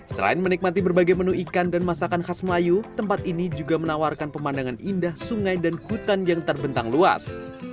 selain menikmati berbagai menu ikan dan masakan khas melayu tempat ini juga menawarkan pemandangan indah sungai dan hutan yang terbentang luas